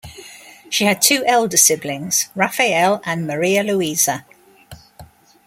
She had two elder siblings: Rafael and Maria Luisa.